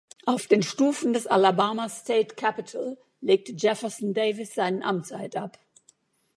Auf den Stufen des Alabama State Capitol legte Jefferson Davis seinen Amtseid ab.